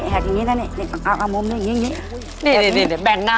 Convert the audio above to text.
แหกแบ่งนี้นะ